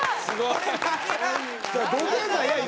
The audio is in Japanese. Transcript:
すごい！